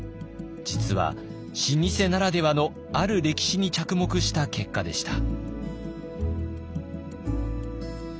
実は老舗ならではのある歴史に着目した結果でした。